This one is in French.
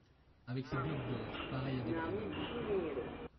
Avec ses globes d’or pareils à de grands dômes